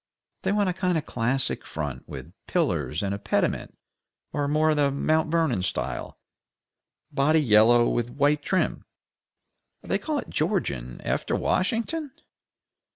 They want a kind of classic front, with pillars and a pediment; or more the Mount Vernon style, body yellow, with white trim. They call it Georgian after Washington?"